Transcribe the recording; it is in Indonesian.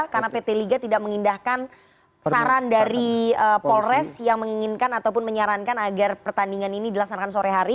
karena pt liga tidak mengindahkan saran dari polres yang menginginkan ataupun menyarankan agar pertandingan ini dilaksanakan sore hari